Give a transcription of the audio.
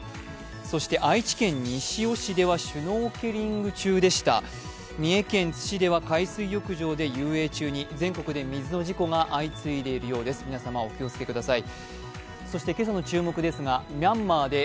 そして愛知県西尾市ではシュノーケリング中でした、三重県津市では海水浴場で遊泳中に全国で水の事故が相次いでいるようです。